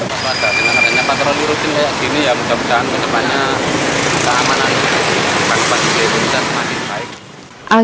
agar korban pembobolan rekening nasabah tidak terjadi polisi berhasil menemukan alat skiming yang digunakan pelaku